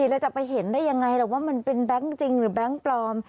เราจะไปเห็นได้ยังไงล่ะว่ามันเป็นแบงค์จริงหรือแบงค์ปลอม